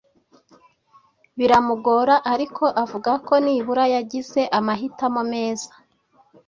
biramugora ariko avuga ko nibura yagize amahitamo meza